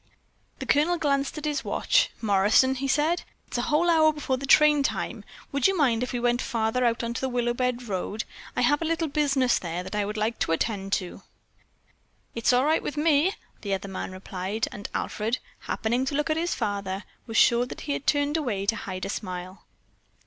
The Colonel glanced at his watch. "Morrison," he said, "it's a whole hour before train time. Would you mind if we went farther out on the Willowbend Road? I have a little business there that I would like to attend to." "It's all right with me," the other man replied, and Alfred, happening to look at his father, was sure that he had turned away to hide a smile.